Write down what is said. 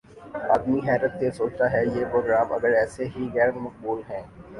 آدمی حیرت سے سوچتا ہے: یہ پروگرام اگر ایسے ہی غیر مقبول ہیں